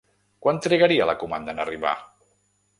Quant trigaria la comanda en arribar?